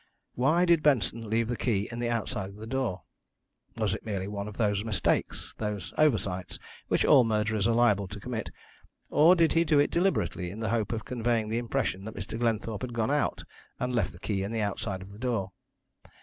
Why did Benson leave the key in the outside of the door? Was it merely one of those mistakes those oversights which all murderers are liable to commit, or did he do it deliberately, in the hope of conveying the impression that Mr. Glenthorpe had gone out and left the key in the outside of the door.